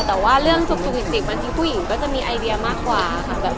แต่ว่าเรื่องสุขจิกบางทีผู้หญิงก็จะมีไอเดียมากกว่าค่ะ